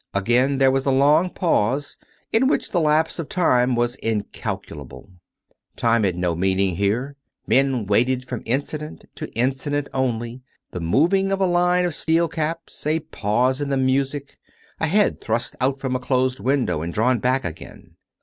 Again there was a long pause — in which the lapse of time was incalculable. Time had no meaning here: men waited from incident to incident only — the moving of a line of steel caps, a pause in the music, a head thrust out from a closed window and drawn back again.